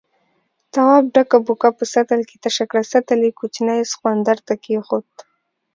تواب ډکه بوکه په سطل کې تشه کړه، سطل يې کوچني سخوندر ته کېښود.